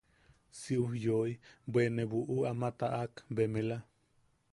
Si ujyoi, bwe ne buʼu ama taʼak bemela.